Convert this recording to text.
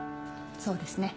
そうですね。